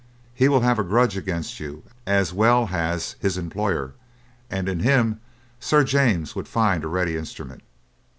He will have a grudge against you as well as his employer, and in him Sir James would find a ready instrument.